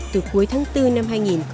từ cuối tháng bốn năm hai nghìn một mươi chín